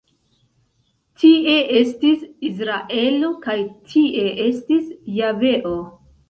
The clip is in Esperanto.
Tie estis Izraelo kaj tie estis Javeo”.